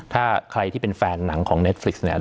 ถ้าใครที่เป็นแฟนหนังของเนสฟริกสเนี่ย